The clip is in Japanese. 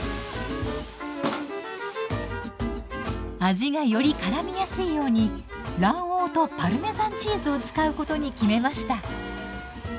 味がよりからみやすいように卵黄とパルメザンチーズを使うことに決めました。